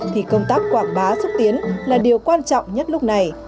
thì công tác quảng bá xúc tiến là điều quan trọng nhất lúc này